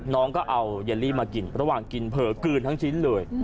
น้องก็เอาเยลลี่มากินระหว่างกินเผลอกลืนทั้งชิ้นเลย